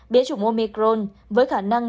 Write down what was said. biến chủng omicron với khả năng